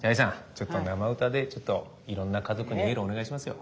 ちょっと生歌でいろんな家族にエールをお願いしますよ。